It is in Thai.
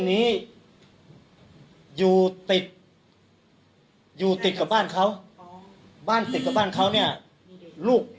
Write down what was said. นี้อยู่ติดอยู่ติดกับบ้านเขาบ้านติดกับบ้านเขาเนี่ยลูก